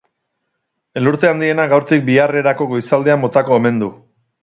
Elurte handiena gaurtik biharrerako goizaldean botako omen du.